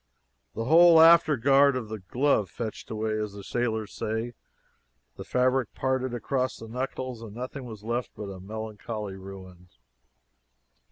The whole after guard of the glove "fetched away," as the sailors say, the fabric parted across the knuckles, and nothing was left but a melancholy ruin.